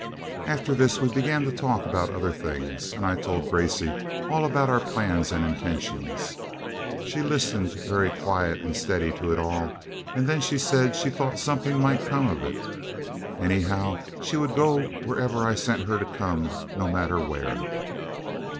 After this we began to talk about other things, and I told Gracey all about our plans and intentions. She listened very quiet and steady to it all, and then she said she thought something might come of it. Anyhow, she would go whenever I sent for her to come, no matter where.